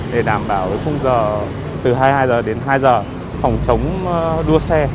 để đảm bảo khung giờ từ hai mươi hai h đến hai h phòng chống đua xe